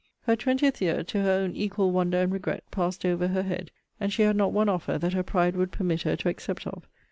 Her twentieth year, to her own equal wonder and regret, passed over her head, and she had not one offer that her pride would permit her to accept of.